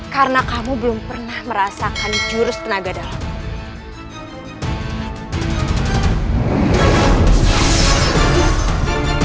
karena kamu belum pernah merasakan jurus tenaga dalammu